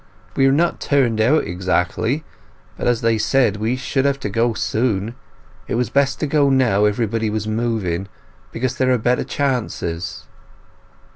"We are not turned out exactly; but as they said we should have to go soon, it was best to go now everybody was moving, because there are better chances."